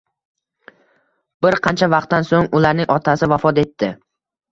Bir qancha vaqtdan soʻng ularning otasi vafot etdi